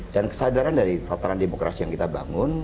dan kesadaran dari tataran demokrasi yang kita bangun